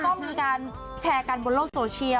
ก็มีการแชร์กันบนโลกโซเชียล